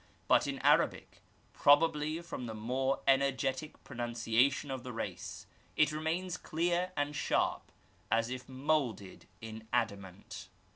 But in Arabic, probably &om the more energetic pronunciation of the race, it remains clear and sharp as if moulded in adamant.